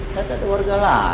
ternyata ada warga lain